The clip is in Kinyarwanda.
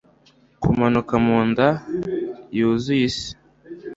kumanuka mu nda yuzuye isi